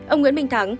ông nguyễn minh thắng